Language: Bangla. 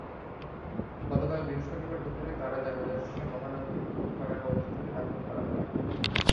গতকাল বৃহস্পতিবার দুপুরে তাঁর জানাজা শেষে মহানগরীর টুটপাড়া কবরস্থানে দাফন করা হয়।